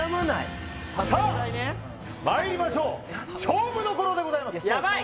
まいりましょう勝負どころでございますやばい！